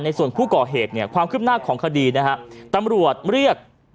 ส่วนผู้ก่อเหตุเนี่ยความคืบหน้าของคดีนะฮะตำรวจเรียก